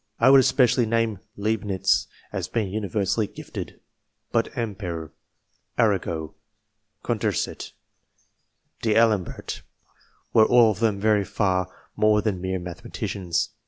I would espe cially name Leibnitz, as being universally gifted ; but Ampere, Arago, Condorcet, and D'Alembert, were all of them very far more than mere mathematicians.